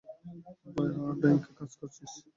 ডয়েঙ্কে কাজ করছিস?